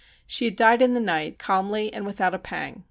She had died in the night, calmly and without a pang.